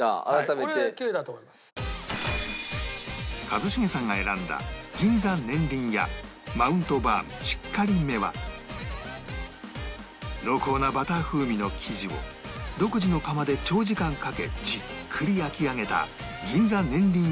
一茂さんが選んだ銀座ねんりん家マウントバームしっかり芽は濃厚なバター風味の生地を独自の窯で長時間かけじっくり焼き上げた銀座ねんりん